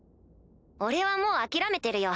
俺はもう諦めてるよ